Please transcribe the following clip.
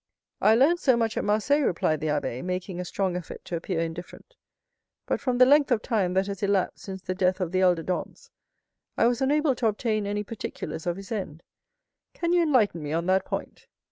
"I learned so much at Marseilles," replied the abbé, making a strong effort to appear indifferent; "but from the length of time that has elapsed since the death of the elder Dantès, I was unable to obtain any particulars of his end. Can you enlighten me on that point?"